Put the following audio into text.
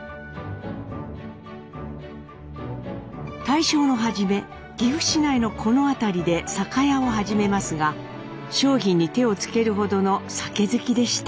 大正の初め岐阜市内のこの辺りで酒屋を始めますが商品に手を付けるほどの酒好きでした。